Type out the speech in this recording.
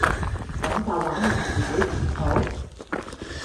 噉就玩完自己前途？